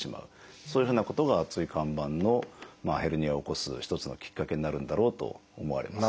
そういうふうなことが椎間板のヘルニアを起こす一つのきっかけになるんだろうと思われます。